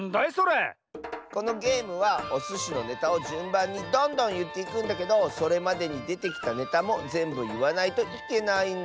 このゲームはおすしのネタをじゅんばんにどんどんいっていくんだけどそれまでにでてきたネタもぜんぶいわないといけないんだ。